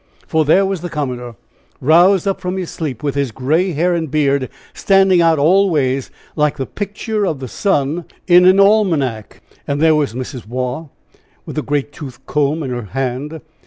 For there was the commodore roused up from his sleep, with his gray hair and beard standing out all ways, like the picture of the sun in an almanac. And there was Mrs. Waugh, with the great tooth comb in her hand.